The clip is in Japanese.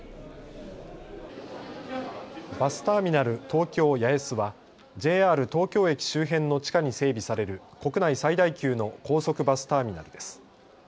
東京八重洲はＪＲ東京駅周辺の地下に整備される国内最大級の高速バスターミナルです。